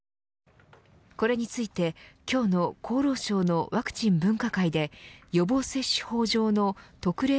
これについて、今日の厚労省のワクチン分科会で予防接種法上の特例